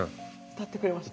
歌ってくれました。